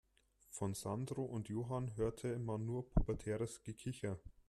Von Sandro und Johann hörte man nur pubertäres Gekicher.